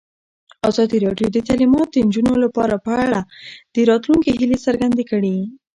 ازادي راډیو د تعلیمات د نجونو لپاره په اړه د راتلونکي هیلې څرګندې کړې.